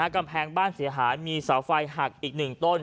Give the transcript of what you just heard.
กำแพงบ้านเสียหายมีเสาไฟหักอีก๑ต้น